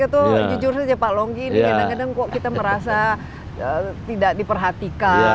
atau jujur saja pak longki ini kadang kadang kok kita merasa tidak diperhatikan